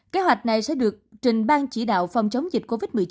kế hoạch này sẽ được trình ban chỉ đạo phòng chống dịch covid một mươi chín